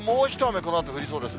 このあと降りそうですね。